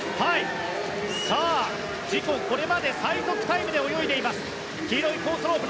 これまで最速タイムで泳いでいます。